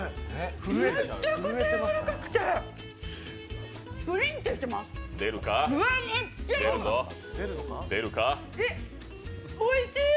めちゃくちゃ柔らかくて、プリンってしてます、うわ、めっちゃおいちい！